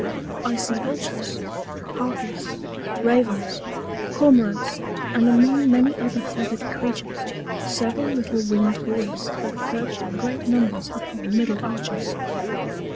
I see Vultures, Harpyes, Ravens, Cormorants, and among many other feather'd Creatures several little winged Boys, that perch in great Numbers upon the middle Arches.